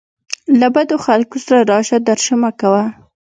له بدو خلکو سره راشه درشه مه کوه.